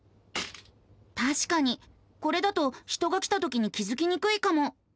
たしかにこれだと人が来たときに気付きにくいかも。